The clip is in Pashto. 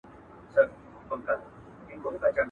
نو د دواړو خواوو تول به برابر وي.